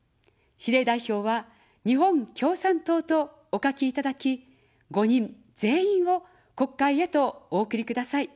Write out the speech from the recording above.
比例代表は日本共産党とお書きいただき、５人全員を国会へとお送りください。